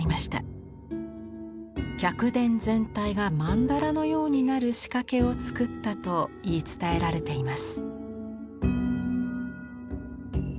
客殿全体が曼荼羅のようになる仕掛けをつくったと言い伝えられています。